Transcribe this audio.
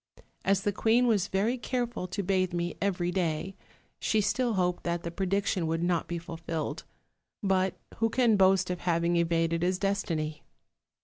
As the queen was very careful to bathe me every day, she still hoped that the prediction would not be fulfilled; but who can boast of having evaded his destiny?